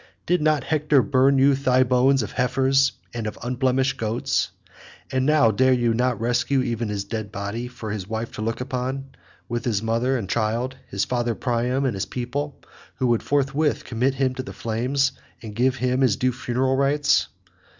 Did not Hector burn you thigh bones of heifers and of unblemished goats? And now dare you not rescue even his dead body, for his wife to look upon, with his mother and child, his father Priam, and his people, who would forthwith commit him to the flames, and give him his due funeral rites?